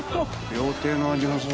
料亭の味がする。